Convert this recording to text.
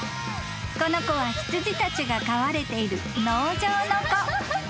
［この子は羊たちが飼われている農場の子］